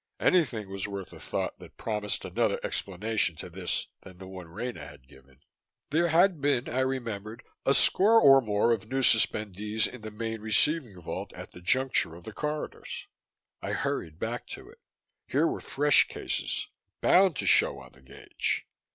Anything was worth a thought that promised another explanation to this than the one Rena had given! There had been, I remembered, a score or more of new suspendees in the main receiving vault at the juncture of the corridors. I hurried back to it. Here were fresh cases, bound to show on the gauge.